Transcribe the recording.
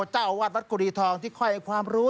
เจ้าวาดวัดกุรีทองที่ค่อยให้ความรู้